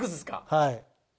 はい。